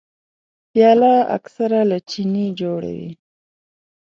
پیاله اکثره له چیني جوړه وي.